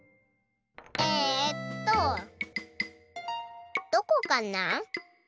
えっとどこかな？